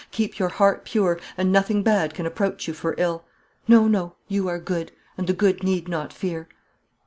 keep your heart pure, and nothing bad can approach you for ill. No, no; you are good, and the good need not fear!"